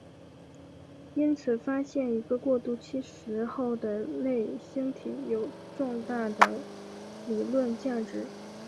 因此发现一个过渡期时候的类星体有重大的理论价值。